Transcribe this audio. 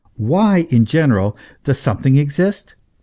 Why, in general, does something exist?